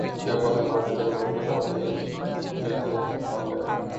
کیا پتا ہمارے دن بدلیں اور نئی چیزیں سامنے آئیں۔